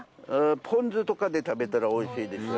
ポン酢とかで食べたら、おいしいですよ。